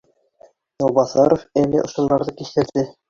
Яубаҫаров әле ошоларҙы кисерҙе